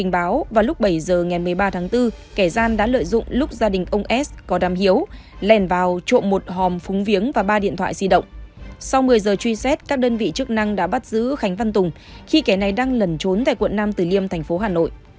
bây giờ truy xét các đơn vị chức năng đã bắt giữ khánh văn tùng khi kẻ này đang lẩn trốn tại quận năm tử liêm thành phố hà nội